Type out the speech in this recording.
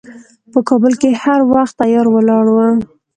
په کابل کې هر وخت تیار ولاړ و.